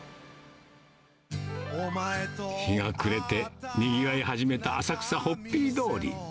日が暮れて、にぎわい始めた浅草・ホッピー通り。